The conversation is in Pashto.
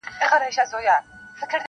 • پسرلی وایې جهاني دي پرې باران سي..